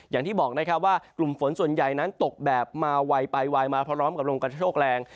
อย่างที่บอกนะครับว่ากลุมฝนส่วนใหญ่หน้านั้นตกแบบมาไวไปไวมาเพราะร้องกระโตฯแรง